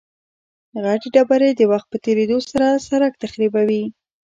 غټې ډبرې د وخت په تېرېدو سره سرک تخریبوي